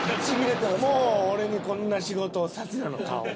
「もう俺にこんな仕事をさすな」の顔。